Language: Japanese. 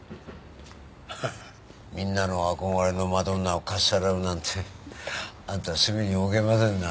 みんなの憧れのマドンナをかっさらうなんてあなた隅に置けませんな。